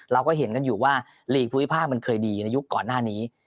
เราก็เห็นกันอยู่ว่าลีกภูมิภาคมันเคยดีในยุคก่อนหน้านี้